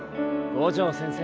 五条先生。